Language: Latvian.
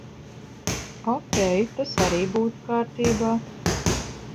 Okei, tas arī būtu kārtībā.